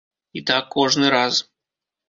І так кожны раз.